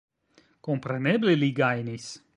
Kompreneble li gajnis.